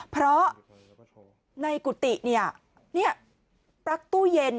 เพราะในกุฏิปลั๊กตู้เย็น